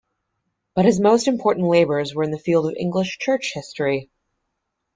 But his most important labours were in the field of English church history.